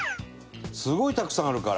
すごいたくさんあるから。